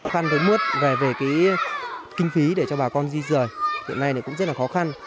khăn với mướt về kinh phí để cho bà con di rời hiện nay cũng rất là khó khăn